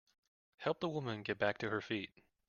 Help the woman get back to her feet.